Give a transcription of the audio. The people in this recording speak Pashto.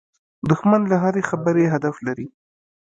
دښمن له هرې خبرې هدف لري